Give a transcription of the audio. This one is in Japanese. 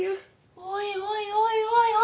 おいおいおいおい。